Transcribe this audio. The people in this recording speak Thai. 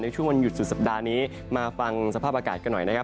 ช่วงวันหยุดสุดสัปดาห์นี้มาฟังสภาพอากาศกันหน่อยนะครับ